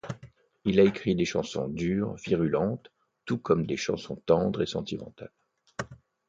Il a écrit des chansons dures, virulentes, tout comme des chansons tendres et sentimentales.